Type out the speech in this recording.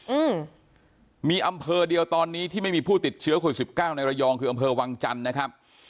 อืมมีอำเภอเดียวตอนนี้ที่ไม่มีผู้ติดเชื้อโควิดสิบเก้าในระยองคืออำเภอวังจันทร์นะครับ